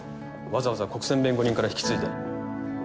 わざわざ国選弁護人から引き継いで。